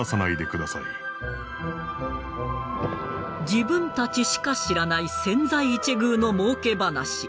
自分たちしか知らない千載一遇のもうけ話。